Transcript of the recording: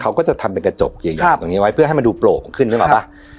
เขาก็จะทำเป็นกระจกอย่างเงี้ยอย่างตรงนี้ไว้เพื่อให้มันดูโปร่งขึ้นใช่ปะครับ